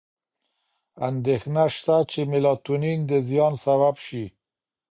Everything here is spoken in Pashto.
اندېښنه شته چې میلاټونین د زیان سبب شي.